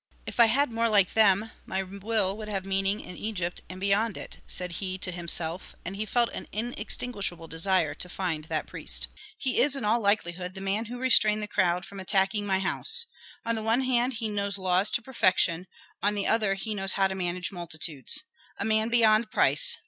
"If I had more like them, my will would have meaning in Egypt and beyond it," said he to himself, and he felt an inextinguishable desire to find that priest. "He is, in all likelihood, the man who restrained the crowd from attacking my house. On the one hand he knows law to perfection, on the other he knows how to manage multitudes." "A man beyond price!